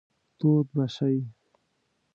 تود به شئ.